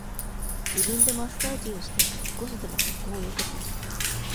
自分でマッサージをして少しでも血行を良くする